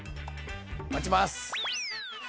待ちます！